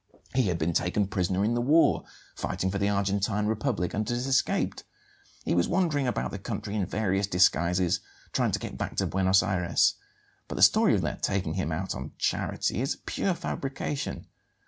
He had been taken prisoner in the war, fighting for the Argentine Republic, and had escaped. He was wandering about the country in various disguises, trying to get back to Buenos Ayres. But the story of their taking him on out of charity is a pure fabrication.